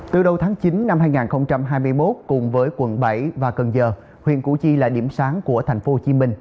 từ đầu tháng chín năm hai nghìn hai mươi một cùng với quận bảy và cần giờ huyện củ chi là điểm sáng của thành phố hồ chí minh